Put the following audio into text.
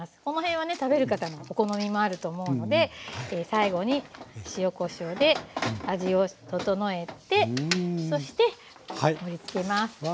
この辺はね食べる方のお好みもあると思うので最後に塩・こしょうで味を調えてそして盛りつけます。